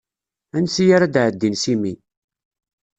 Ansi ara d-ɛeddin s imi.